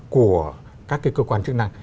của các cơ quan chức năng